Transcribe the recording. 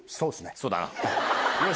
そうだな。